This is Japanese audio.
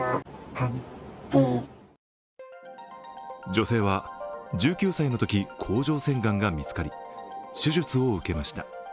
女性は１９歳のとき甲状腺がんが見つかり手術を受けました。